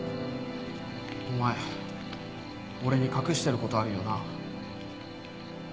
お前俺に隠してる事あるよな？